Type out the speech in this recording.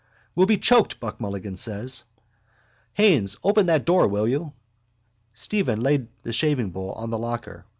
—We'll be choked, Buck Mulligan said. Haines, open that door, will you? Stephen laid the shavingbowl on the locker.